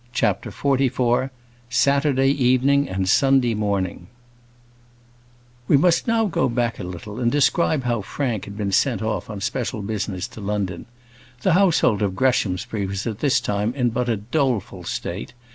CHAPTER XLIV Saturday Evening and Sunday Morning We must now go back a little and describe how Frank had been sent off on special business to London. The household at Greshamsbury was at this time in but a doleful state.